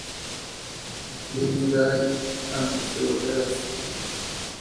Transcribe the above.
Lindsay" antes de volver a St.